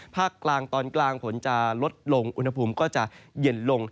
ภาคกลางตอนกลางฝนจะลดลงอุณหภูมิก็จะเย็นลง